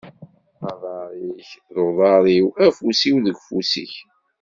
Aḍar-ik d uḍar-iw afus-iw deg ufus-ik.